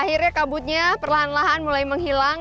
akhirnya kabutnya perlahan lahan mulai menghilang